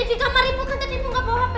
jika pak rija kan jadinya nggak bawa hp